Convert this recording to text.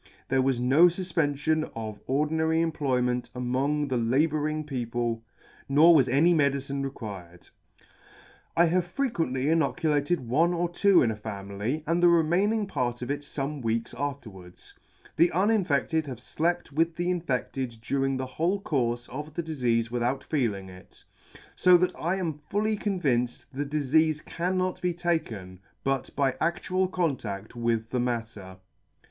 There was no fufpenfion of ordinary employment among the labouring peo ple, nor was any medicine required. I have [ 160 ]" I have frequently inoculated one or two in a family, and the remaining part of it fome weeks afterwards. The unin fedted have flept with the infedled during the whole coiirfe of the difeafe without feeling it ; fo that I am fully convinced the difeafe cannot be taken but by adtual contadt with the matter.